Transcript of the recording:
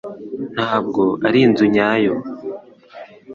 Ntabwo ari inzu nyayo.